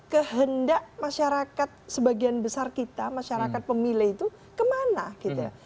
kehendak masyarakat sebagian besar kita masyarakat pemilih itu kemana gitu